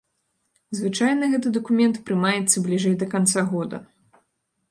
Звычайна гэты дакумент прымаецца бліжэй да канца года.